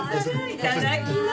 いただきます。